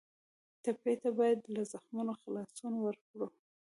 ټپي ته باید له زخمونو خلاصون ورکړو.